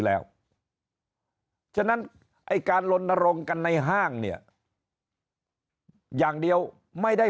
แล้วฉะนั้นไอ้การลนรงค์กันในห้างเนี่ยอย่างเดียวไม่ได้